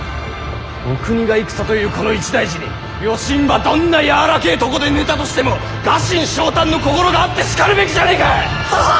お国が戦というこの一大事によしんばどんな柔らけぇ床で寝たとしても臥薪嘗胆の心があってしかるべきじゃねぇか！